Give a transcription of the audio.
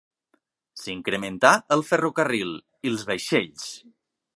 S'incrementà el ferrocarril i els vaixells.